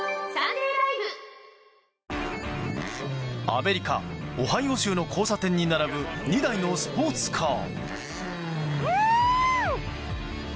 アメリカ・オハイオ州の交差点に並ぶ２台のスポーツカー。